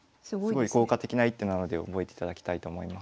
すごい効果的な一手なので覚えていただきたいと思います。